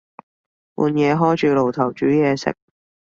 半夜開着爐頭煮嘢食